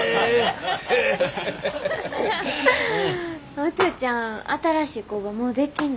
お父ちゃん新しい工場もうできんの？